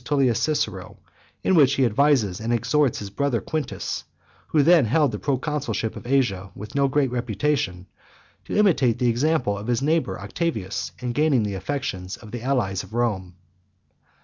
Tullius Cicero, in which he advises and exhorts his brother Quintus, who then held the proconsulship of Asia with no great reputation, to imitate the example of his neighbour Octavius, in gaining the affections of the allies of Rome.